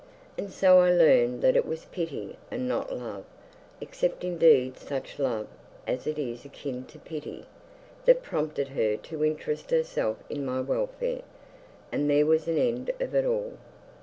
And so I learned that it was pity, and not love, except indeed such love as is akin to pity, that prompted her to interest herself in my welfare, and there was an end of it all.